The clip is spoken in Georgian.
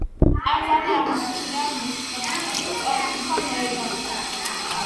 ტაძარი აღმართულია მოსწორებულ, სწორკუთხა მოედანზე.